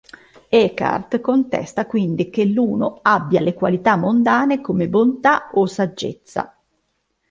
Eckhart contesta quindi che l'Uno abbia le qualità mondane come "bontà" o "saggezza".